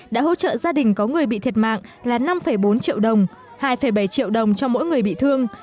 đã hỗ trợ gia đình có người bị thiệt mạng là năm bốn triệu đồng hai bảy triệu đồng cho mỗi người bị thương